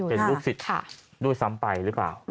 เป็นลูกศิษย์ด้วยซ้ำไปหรือเปล่าค่ะอยู่นั่นค่ะ